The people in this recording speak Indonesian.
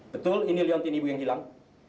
betul ini liontin ibu yang hilang